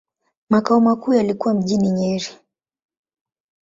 Makao makuu yalikuwa mjini Nyeri.